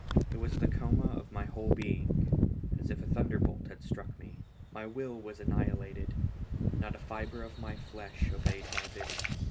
It was the coma of my whole being, as if a thunderbolt had struck me. My will was annihilated, not a fibre of my flesh obeyed my bidding.